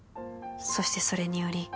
「そしてそれにより」